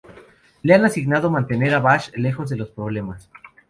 Le han asignado mantener a Vash lejos de los problemas.